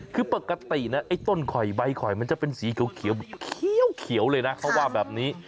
คือปกตินะไอ้ต้นข่อยใบข่อยมันจะเป็นสีเขียวเลยนะเขาว่าแบบนี้